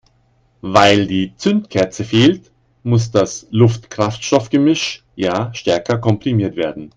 Weil die Zündkerze fehlt, muss das Luft-Kraftstoff-Gemisch ja stärker komprimiert werden.